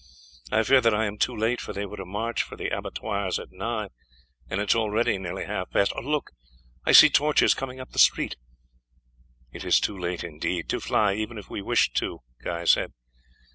I fear that I am too late, for they were to march from the abattoirs at nine, and it is already nearly half past. Look! I see torches coming up the street." "It is too late, indeed, to fly, even if we wished to," Guy said.